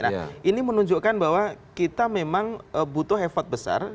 nah ini menunjukkan bahwa kita memang butuh effort besar